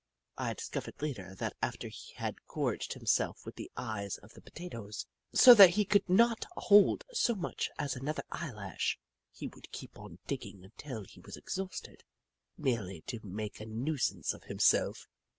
I discovered later that after he had gorged himself with the eyes of the potatoes, so that he could not hold so much as another eyelash, he would keep on digging until he was exhausted, merely to make a nuisance of himself.